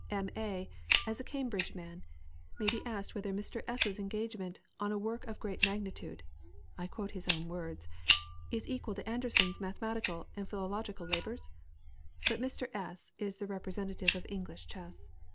"M. A.," as a Cambridge man, may be asked whether Mr. S.'s engagement "on a work of great magnitude" (I quote his own words) is equal to Anderssen's mathematical and philological labors? But Mr. S. is the representative of English chess.